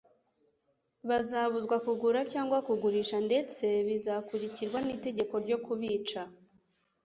bazabuzwa kugura cyangwa kugurisha. Ndetse bizakurikirwa n'itegeko ryo kubica